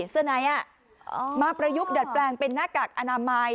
เสื้อในมาประยุกต์ดัดแปลงเป็นหน้ากากอนามัย